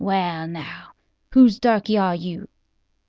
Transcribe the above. "Wall, now, whose darky are you?"